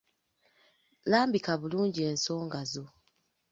Lambika bulungi ensonga zo.